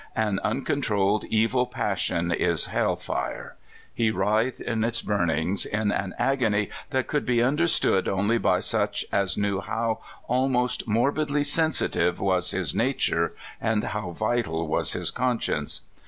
An uncontrolled evil passion is hell fire. He writhed in its burn ings in an agony that could be understood only by such as knew how almost morbidly sensitive was his nature, and how vital was his conscience.